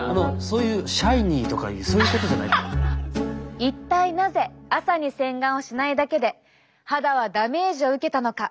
そういう一体なぜ朝に洗顔をしないだけで肌はダメージを受けたのか？